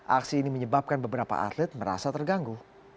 aksi ini menyebabkan beberapa atlet merasa terganggu